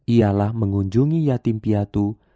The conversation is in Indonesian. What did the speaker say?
ialah mengunjungi yatim piatu